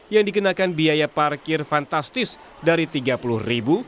yang dikenakan biaya parkir fantastis dari rp tiga puluh